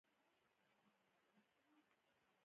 وسایط خراب شول او په هره کرښه کې روسان مخته راتلل